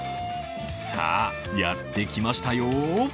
さあ、やってきましたよ。